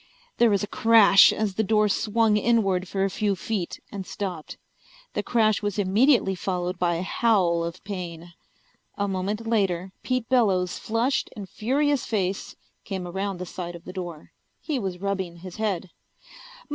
There was a crash as the door swung inward for a few feet and stopped. The crash was immediately followed by a howl of pain. A moment later Pete Bellows' flushed and furious face came around the side of the door. He was rubbing his head.